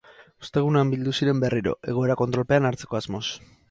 Ostegunean bildu ziren berriro, egoera kontrolpean hartzeko asmoz.